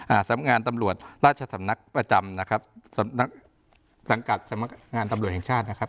สำงานตำรวจราชสำนักประจำนะครับสำนักสังกัดสำนักงานตำรวจแห่งชาตินะครับ